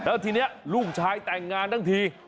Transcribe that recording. แล้วทีนี้ลูกชายแต่งงานทั้งที